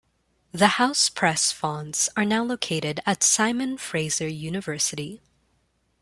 The housepress fonds are now located at Simon Fraser University.